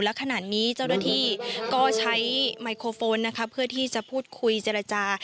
และขณะนี้เจ้าหน้าที่ก็ใช้ไมโครโฟนนะคะเพื่อที่จะพูดคุยเจรจา